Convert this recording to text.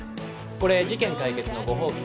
これ事件解決のご褒美。